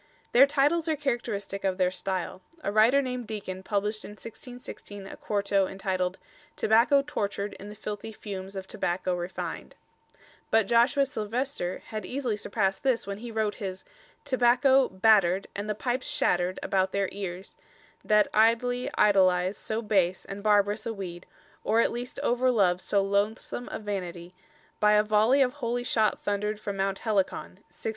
Their titles are characteristic of their style. A writer named Deacon published in 1616 a quarto entitled "Tobacco tortured in the filthy Fumes of Tobacco refined"; but Joshua Sylvester had easily surpassed this when he wrote his "Tobacco Battered and the Pipes Shattered about their Eares, that idely Idolize so base and barbarous a Weed, or at least overlove so loathsome a Vanity, by a Volley of Holy Shot Thundered from Mount Helicon," 1615.